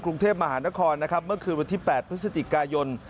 กรุงเทพมหานครนะครับเมื่อคืนวันที่๘พฤศจิกายน